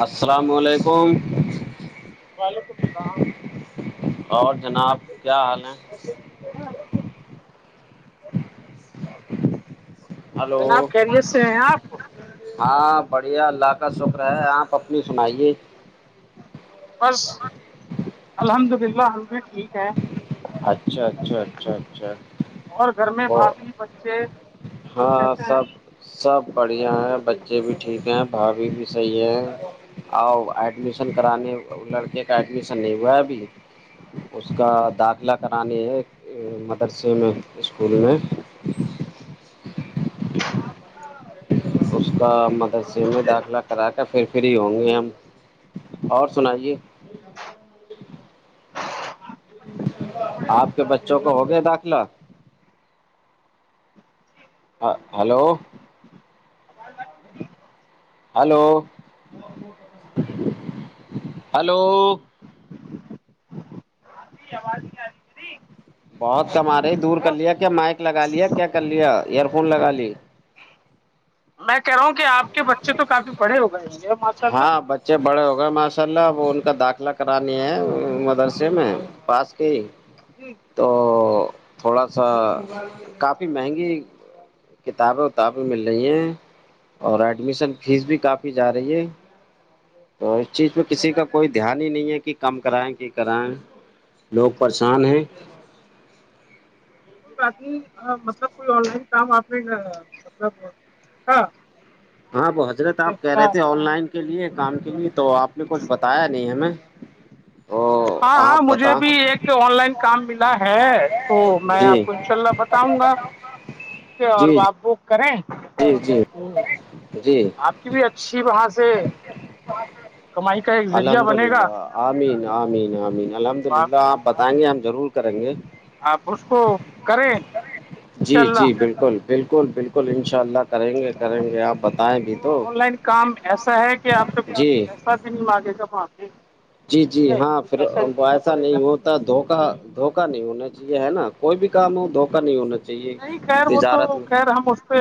السلام علیکم وعلیکم السلام اور جناب کیا حال ہیں ہاں ہلو خیریت سے ہیں آپ ہاں بڑھیا اللہ کا شکر ہے آپ اپنی سنائیے بس الحمد للہ ہم بھی ٹھیک ہیں اچھا اچھا اچھا اچھا اور گھر میں وہ بھابھی بچے سب ہاں کیسے ہیں سب سب بڑھیا ہیں بچے بھی ٹھیک ہیں بھاابھی بھی صحیح ہیں آ ایڈمیشن کرانے لڑکے کا ایڈمیشن نہیں ہوا ہے ابھی اس کا داغ الہ کرانی ایک مدرسے میں اسکول میں اس کا مدرسے میں داخلہ کرا کر پھر فری ہوں گے ہم اور سنائیے آپ کے بچوں کو ہو گیا داخلہ ہ ہلو ہلو ہلو جی آواز کیا آ رہ ہے [unintelligible] بہت کم آ رہی دور ہے۔ کر لیا کیا مائک لگا لیا کیا کر لیا ایئر فون لگا لی میں کہہ رہا ہوں کہ آپ کے بچے تو کاف پڑے ہو گئے ہوں گے ماشاء اللہ ہاں بچے بڑے ہو گئے ماشاء اللہ اب ان کا داخلہ کرانی ہے مدرسے میں پاس کے جی جی تو تھوڑا سا کافی مہنگی کتابیں وتابیں مل رہی ہیں اور ایڈمیشن فیس بھی کافی جا رہی ہے تو اس چیز پہ کسی کا کوئی دھیان ہی نہیں ہے کہ کم کرائیں کی کرائیں لوگ پریشان ہیں ی مطلب کوئی آن لائن کام آپ نے مطلب [inaudible] ہاں وہ حضرت آپ کہہ رہے تھے آن لائن کے لیے کام کے لیے تو آپ نے کچھ بتایا نہیں ہمیں او ہاں آپ ہاں مجھے بتا بھی ایک آن لائن کام ملا ہے تو میں جی آپ کو ان شاء اللہ بتاؤں گا ٹھیک ہے اور جی آپ وہ کریں جی جی تو جی آپ کی بھی اچھا شیو ہاں سے کمائی کا ایک ذریعہ الحمد بنے گا للہ عمین آمین آمین الحمد آپ للہ بتانہیں ہم ضرور کریں گے آپ رش کو کریں ان شاء جی اللہ جی بالکل بالکل بالکل انشاء اللہ کریں گے کریں گے آپ بتائیں بھی تو آن لائن کام ایسا ہے کہ آپ پ کوئی جی پیسہ بھی نہیں مگے گا وہاںپی جی جی ہاں پھر ایسا نہیں ہو دھوکا دھوکا نہیں ہونا چاہیے نا کوئی بھی کام ہو دوکا نہیں ہونا چاہے نہیں خیر وہ تو خیر ہم اس پہ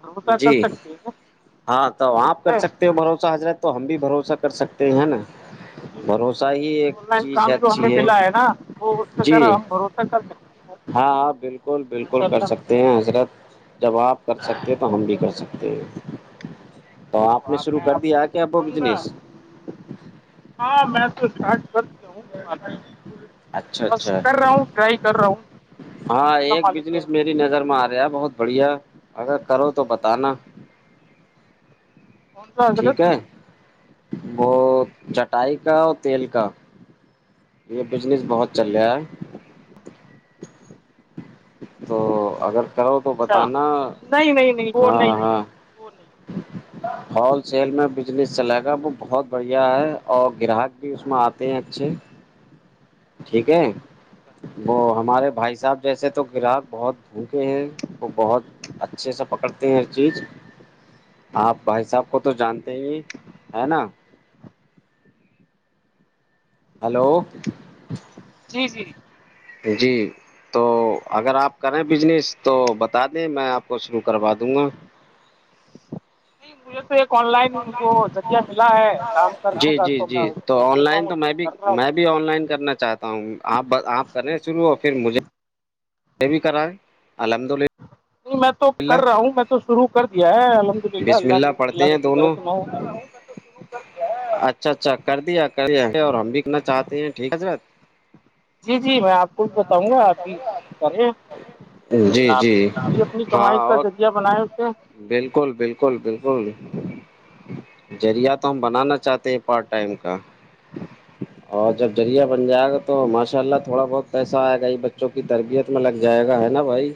بھروسہ کر جی سکتے ہیں ٹھیک ہاں تو آپ کر ہے سکتے ہو بھروسہ حضرت تو ہم بھی بھروسہ کر سکتے ت ہے نا [unintelligible] بھروسہ ہی ایک آن لائن چیز کام ہے جو ہمیں اچھی ہے ملا نا وہ اس پہ جی خیر ہم بھروسہ کر سکتے ہیں ہاں ہ بالکل بالکل ماشاء کر اللہ سکتے جی حضرت جب آپ کر سکتے ہیں تو ہم بھی کر سکتے ہیں تو آپ نے شروع میں کر آپ کو دیا وہ کیاب بتاؤں گا بزنس ہاں میں تو اسٹارٹ کر دیا ہوں بقی اچھا بس اچھا کر رہا ہوں ٹرائی کر رہا ہوں ہاں اللہ ایک مالک ہے بزنس نظر میں آ رہا بہت بڑھیا اگر کرو تو بتانا کون سا حضرت ٹھیک ہے وہ چٹائی کا اور تیل کا یہ بزنس بہت چل رہا ہے تو اگر کرو تو اچھا بتانا نہیں نہیں نہیں وہ ہاں نہیں ہاں [inaudible] ہول سیل میں بزنس چلے گا وہ بہت بڑھیا ہے اور گراہک بھی اس میں آتے ہیں اچھے ٹھیک ہے وہ ہمارے بھائی صاحب جیسے تو گراہک بہت بھوکے ہیں وہ بہت اچھے سے پکڑتے ہیں ہر چیز آپ بھائی صاحب کو تو جانتے ہی ہے نا ہیلو جی جی جی تو اگر آپ کریں بجنس تو بتا دیں میں آپ کو شروع کروا دوں گا نہیں مول ایک آن لائن وہ جگہ ملا ہے کام کرنے جی کا جی تو جی میں اس پہ آن دیکھ رہا لائن ہوں تو میں بھی کر رہا ہوں میں آن لائن کرنا چاہتا ہوں آپ آپ کرنے شروع اور پھر مجھے بھی کر ہے الحمد للہ نہیں میں تو کر رہا ہوں میں تو شروع کر دیا ہے الحمد للہ بسم اللہ کے پڑھتے اللہ ہیں کا شکر ہے دونوں کہ میں اچھا اچھا کر دیا کر دیا اور ہم بھی کرنا چاہتے ہیں ٹھیک ہےضر جی جی میں آپ کو بھی بتاؤں گا آپ کی رہے ہیں اور جی آپ جی بھی اپنی ہاں کمائی کا اور ذریعہ بنائے ہوتے بالکل بالکل بالکل ذریعہ تو ہم بنانا چاہتے ہیں پارٹ ٹائم کا اور جب جریہ بن جائے گا تو ماشاء اللہ تھوڑا بہت پیسہ آئے گا یہ بچوں کی تربیت اس میں لگ جائے گا ہے نا بھائی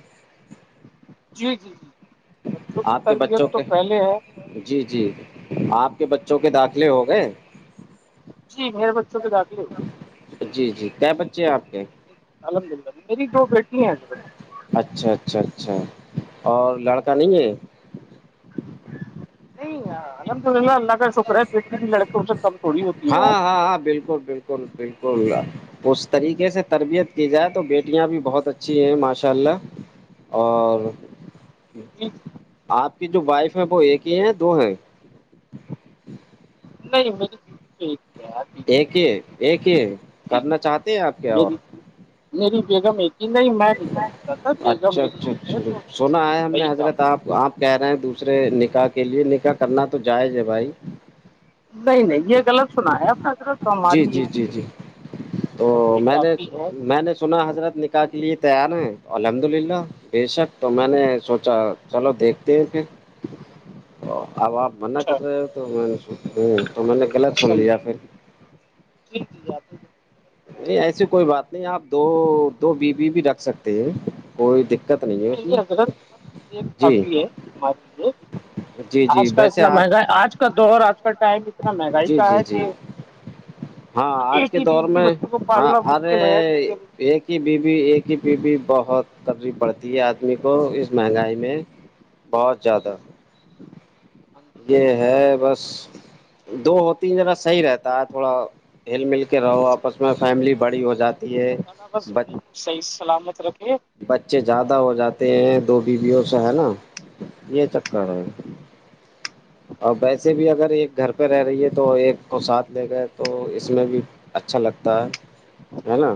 جی جی جی بچوں کی آپ کے تربیت بچوں تو کے پہلے ہے جی جی آپ کے بچوں کے داخلے ہو گئے جی میر بچوں کے داخلے ہوئے ہیں جی جی کیا بچے ہیں آپ کے الحمد للہ میری دو بیٹی ہیںضر اچھا اچھا اچھا اور لڑکا نہیں ہے نہیں الحمد للہ کا شکر ہے پیٹٹی بھی لڑکوں سے کم تھوڑی ہوتی ہے ہاں ہیںیار ہاں ہاں بالکل بالکل بالکل بالکل اس طریقے سے تربیت کی جائے تو بیٹیاں بھی بہت اچھی ہیں ماشاء اللہ اور جی جی آپ کی جو وائف ہے وہ ایک ہی ہے دو ہیں [inaudible] ہے یار بیوی ایک تو یہ ایک یہ ہی جی کرنا چاہتے ہیں آپ کے اور میری میری بیگم ایک ہی نہیں میں نہیں کرنا چاہتا بیگم اچھا میری اچھا ایک ہے اچھا تو سونا ہے ہم وہی نے حضرت کافی آپ آپ کہہ رہے ہیں دوسرے نکاح کے لیے نکاح کرنا تو جائج ہے بھائی نہیں نہیں یہ غلط سنا ہے اپنا طرف جی جی جی جی تو بس وہی میں نے کافی ہے میں نے سنا حضرت کے لیے تیار ہیں الحمد للہ بےشک تو میں نے سوچا چلو دیکھتے ہیں پھر اب آپ منع اچھا کر رہے ہو تو میں ہوں تو میں نے غلط سن نہیں لیا پھر [inaudible] سنا ہے نہیں ایسی کوئی بات نہیں آپ دو دو بی بیی بھی رکھ سکتے ہیں کوئی دقت نہیں ہے اس میں یہ جی کافی ہے لیے جی جی آج کا ویسے اتنا مہنگا ہے آج کا دور آج ٹائم اتنا مہنگائی جی کا جی ہے جی کہ ہاں آج ایک کے ہی دور بیوی میں بچوں کو ہاں پالنا ارے مشکل ہے تو پھر ایک ہی بیوی ایک ہی بیوی بہت ترریف پڑتی ہے آدمی کو اس مہنگائی میں بہت زیادہ ہاں یہ ہے بس دو ہو تین جرا صحیح رہتا ہے تھوڑا ہل مل کے رہو صحی آپس میں کچھ نہیں فیملی رہتا بڑی ہے ہو جاتی اللہ ہے تعالی بس بچے ہم کو صحیح سلامت رکھے بچے زیادہ اور ہو جاتے ہیں دو بیویوں سے ہے نا یہ چکر ہے اور ویسے بھی اگر ایک گھر پہ رہ رہی ہے تو ایک کو ساتھ لے گئے تو اس میں بھی اچھا لگتا ہے ہے نا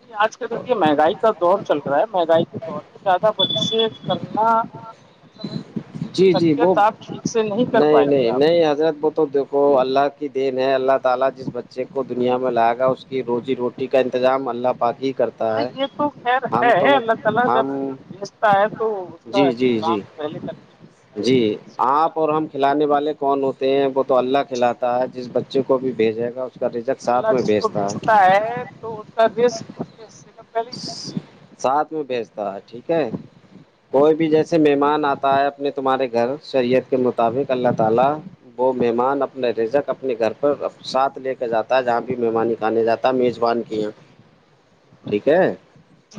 نہیں آج کل دیکھیے مہنگائی کا دور چل رہا ہے مہنگائی کے دور میں زیادہ بچے کرنا مطلب ہے کیونکہ جی جی وہ تربیت آپ ٹھیک سے کر نہیں پائیں گے نہیں آپ نہیں حضرت ب اب دیکھو اللہ کی دین ہے اللہ تعالی جس بچے کو دنیا میں لائے گا اس کی روز کا انتظام اللہ پاک ہی کرتا ہے ہم تم اللہ تعالی ہم بیچتا ہے تو اس کا جی جی کاام جی پہلے کر کے جی بھیجتا ہے آپ اور ہم کھلانے والے کون ہوتے ہیں وہ تو اللہ جی جی کھلاتا ہے جس بچ بچوں کو بھیجے گا کا رزق ساتھ اللہ میں جس کو بھیجتا ہے تو اس کا بیس اس کے حصے کا پہل بیس ہے ساتھ میں بھیجتا ٹھیک ہے کوئی بھی جیسے مہمان اتا ہے اپنی تمہارے گھر شریعت کے مطابق اللہ تعالی وہ مہمان اپنے رزک اپنے گھر پر ساتھ لے کے جاتا ہے جہاں بھی مہمان نک آنے جاتا ت میزبان کیا [inaudible] ٹھیک ہے جی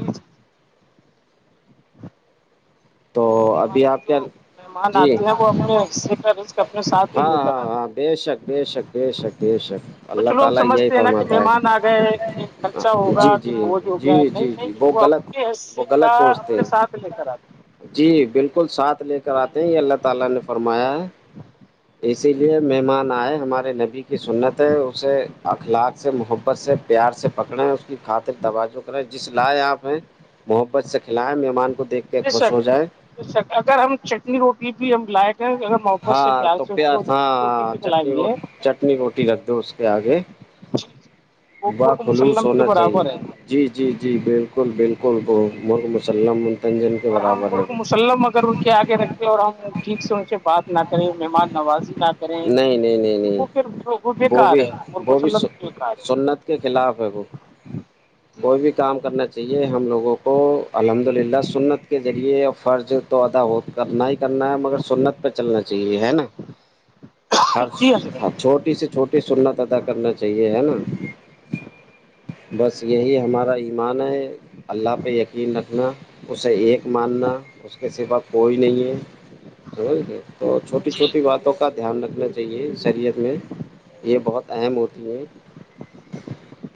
تو ہمارے ابھی یہاں آپ کیا جو مہمان جی آتے ہیں وہ اپنے حصے کا رزق ہاں اپنے ساتھ ہی لے کر ہاں آتے ہاں ہیں ب شک دی ش دی ش دی شک اللہ کچھ لوگ تعالی یہی سمجھتے ہیں نا کہ فرماتا ہے مہمان آ گئے کہ خرچہ ہوگا جی کہ جی بوجھ ہو جی گیا جی نہیں جی نہیں وہ غلط کے حصے وہ کا غلط سوچتے اپنے ہیں ساتھ لے کر آتا جی بالکل ساتھ لے کر اتے ہیں یہ اللہ تعالی نے فرمایا ہے اسی لیے مہمان آئے ہمارے نبی کی سنت ہے اسے اخلاق سے محبت سے پیار سے پکڑے اس کی کاطرک تواجو کریں جس لائے آپ ہیں محبت سے کھلائیں م مہ مان کو دیک کے بے خوش ہو شک جائے اگر ہم چٹنی روٹی بھی ہم لائق اگر محبت سے ہاں پیار تو اس کو پیاز چنی روٹی ہاں بھی کلائی چٹنی دی ہے روٹی چٹنی روٹی جچھ با خلوص ہونا چاہیے جی جی جی بالکل بالکل وہ محم وسام اور ہم مرک مسللم اگر ان کے آگے رکھیں اور ہم ٹھیک سے ان سے بات نہ کریں مہمان نوازی نہ کریں نہیں نہیں نہیں تو نہیں وہ پھر وہ بےیکار بھی ہے م وہ بھی مسلم بیکار ہے سنت کے خلاف ہے وہ [inaudible] کوئی بھی کام کرنا چاہیے ہم لوگوں کو الحمد للہ سنت کے ذریعے فرض تو ادا ہوت کرنا ہی کرنا ہے سنت پہ چلنا چاہیے ہے نا جی ہر حضرت چھوٹی سے چھوٹی سنت ادا کرنا چاہیے ہے نا بس یہی ہمارا ایمان ہے اللہ پہ یقین رکھنا اس سے ایک ماننا اس کے صفا کوئی نہیں ہے سمجھ گئے تو چھوٹی جی چھوٹی حضرت باتوں کا دھیان رکھنا چاہیے شریعت میں یہ بہت اہم ہوتی ہے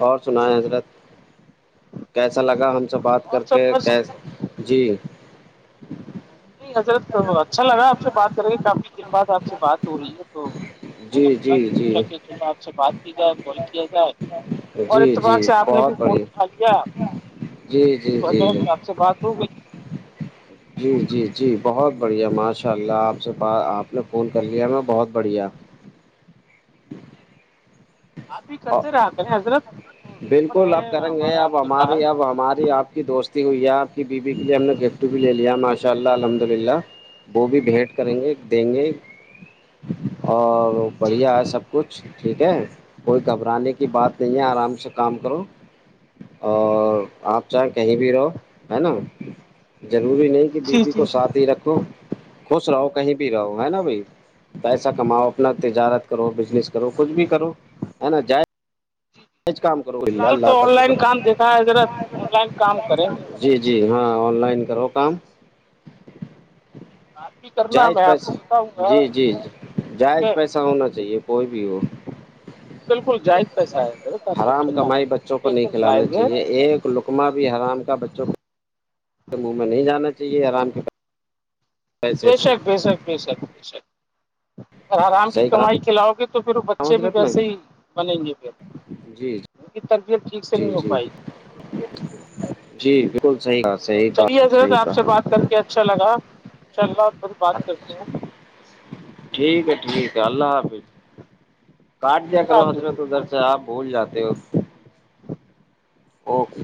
اور جی سنائیے بالکل حضرت کیسا لگا ہم سے بات اور کر کے سب بس جی نہیں حضرت تو اچھا لگا آپ سے بات کریں کے کافی دن بعد آپ سے بات ہو رہی ہے تو میں جی نے بولا جی پوچھا جی کہ چلو آپ سے بات کی جائے کال کیا جائے اور جی جی اتفاق سے آپ نے بہت بھی فون بڑھیا اٹھا لیا جی جی جی اچھی بات ہو گئی جی جی جی بہت بڑھیا ماشاء اللہ آپ سے آپ نے فون کر لیا میں بہت بڑھیا [inaudible] آپ بھی اور کرتے رہا کریں حضرت نمبر بالکل ہے اب کریں گے ہمارا اب آپ کے پاس ہماری اب ہماری آپ کی دوست ہوئی ہے آپ کی بیوی کے لیے ہم نے گفٹ بھی لے لیا ماشاء اللہ الحمد للہ وہ بھی بھیٹ کریں گے دیں گے اور جی بڑھیا ہے جی سب کچھ ٹھیک ہے کوئی گھبرانے کی بات نہیں ہے آرام سے کام کرو اور آپ چاہیں کہیں بھی رہو ہے نا ضروری نہیں جی بیوی جی کو فی ساتھ ہی رکھو خوش رہو کہیں بھی رہو ہے نا بھائی پیسہ کماؤ اپنا تجارت کرو بزنس کرو کچھ بھی کرو ہے نا جائ یہ کام کرو اللہ الحال اللہ تو کا آن لائن شکر کام دیکھا ہے حضرت آن لائن کام کریں گے جی جی ہاں آن لائن کرو کام آپ بھی کرنا جائج میں آپ بس کو بتاؤں گا جی جی جی ٹھیک جائز ہے پیسہ ہونا چاہیے کوئی بھی ہو بالکل جائز پیسہ ہے حضرت آپ آرام ٹینشن نہ کمائی لیں بچوں بالکل کو ایک نہیں دم کھلانا جائز ہے چاہیے ایک لوگ کما بھی حرام کا بچوں کو تو منہ میں نہیں جانا چاہیے آرام کے پاس بے شک بے شک بے شک بےشک آرام کی صحیح کمائی کرام کھلاؤ گے تو پھر بچے بھی حضرت میں ویسے ہی بنیں گے پھر جی ان کی تربیت ٹھیک سے جی نہیں ہو جی پائی جی بالکل صحیح کہا صحیح چلیے کہ حضرت صحیح آپ سے کہا بات کر کے اچھا لگا انشاء اللہ پھر بات کرتے ہیں ٹھیک ہے ٹھیک ہے اللہ حافظ کاٹ دیا اللہ کرو حضر حافظ تو در اچھا آپ بھول جاتے ہو جی آف